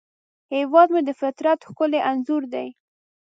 هیواد مې د فطرت ښکلی انځور دی